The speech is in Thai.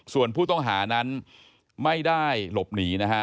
ส่วนผู้ต้องหานั้นไม่ได้หลบหนีนะฮะ